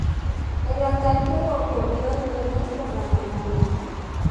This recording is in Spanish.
El ataque ocurrió el viernes por la mañana.